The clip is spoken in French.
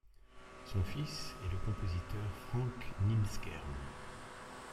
Son fils est le compositeur Frank Nimsgern.